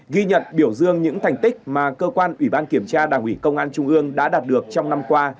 ghi nhận biểu dương những thành tích mà cơ quan ủy ban kiểm tra đảng ủy công an trung ương đã đạt được trong năm qua